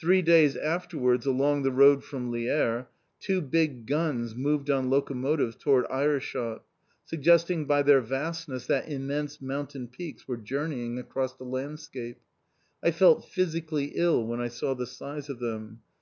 Three days afterwards along the road from Lierre two big guns moved on locomotives towards Aerschot, suggesting by their vastness that immense mountain peaks were journeying across a landscape. I felt physically ill when I saw the size of them.